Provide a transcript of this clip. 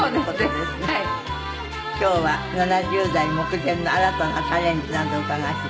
今日は７０代目前の新たなチャレンジなど伺わせて。